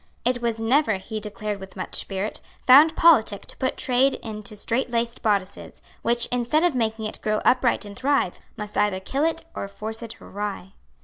It was never, he declared with much spirit, found politic to put trade into straitlaced bodices, which, instead of making it grow upright and thrive, must either kill it or force it awry.